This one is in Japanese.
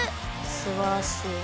すばらしい。